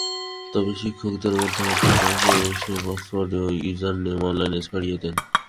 তবে শিক্ষার্থীদের মধ্যে অজ্ঞাত কেউ সে পাসওয়ার্ড ও ইউজারনেম অনলাইনে ছড়িয়ে দেন।